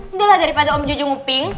udah lah daripada om jejo nguping